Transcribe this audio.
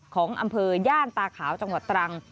ของอำเภอย่านตาขาวจังหวัดตรัง